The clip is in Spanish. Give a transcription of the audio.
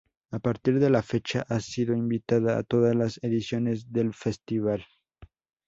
A partir de la fecha ha sido invitada a todas las ediciones del festival.